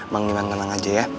mang diman tenang aja ya